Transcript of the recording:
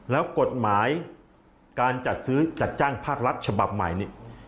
แล้วกฎหมายการจัดซื้อจัดจ้างภาครัฐฉบับใหม่นี่